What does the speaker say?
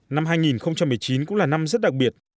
năm hai nghìn một mươi chín cũng là năm rất đặc biệt